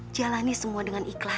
jalani semua dengan ikhlas